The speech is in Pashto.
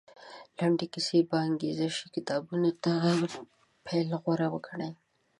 لنډې کیسې یا انګېزه شي کتابونو څخه پیل غوره وګڼي.